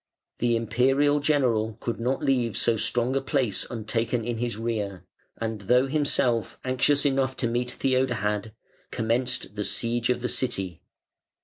The Imperial general could not leave so strong a place untaken in his rear, and though himself anxious enough to meet Theodahad, commenced the siege of the city.